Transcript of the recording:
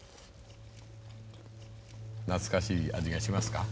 懐かしい味がしますか？